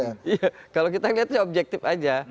iya kalau kita lihatnya objektif aja